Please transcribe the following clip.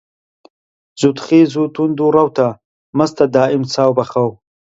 زوودخیز و توند ڕەوتە، مەستە دائیم چاو بە خەو